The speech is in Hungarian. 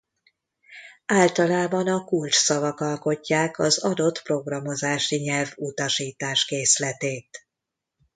Általában a kulcsszavak alkotják az adott programozási nyelv utasításkészletét.